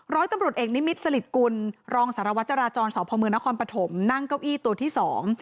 ร้อยตำรวจเอกนิมิตรสลิดกุลรองสารวัตรจราจรสพมนครปฐมนั่งเก้าอี้ตัวที่สอง